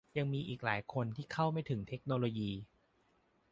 ยังมีอีกหลายคนที่เข้าไม่ถึงเทคโนโลยี